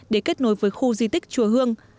để kết nối với khu di tích chùa hương